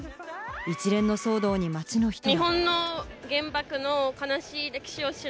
一連の騒動に街の人は。